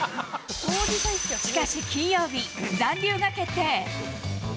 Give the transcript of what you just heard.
しかし、金曜日、残留が決定。